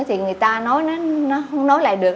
thì người ta nói nó không nói lại được